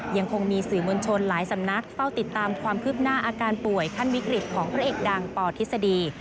ยังคงมีสื่อมวลชนหลายสำนักเฝ้าติดตามความคืบหน้าอาการป่วยขั้นวิกฤตของพระเอกดังปทฤษฎี